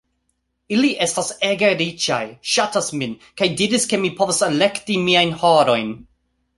Ili estas ege riĉaj, ŝatas min, kaj diris ke mi povas elekti miajn horojn.